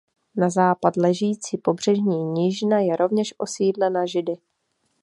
Na západ ležící pobřežní nížina je rovněž osídlena Židy.